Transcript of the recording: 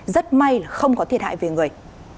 rất may là không có thiệt hại về người